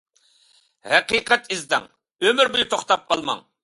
ھەقىقەت ئىزدەڭ، ئۆمۈر بويى توختاپ قالماڭ.